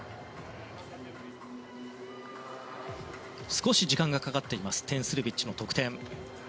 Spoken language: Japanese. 少し時間がかかっていますテン・スルビッチの得点。